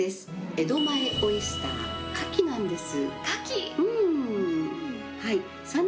江戸前オイスター、かきなんです。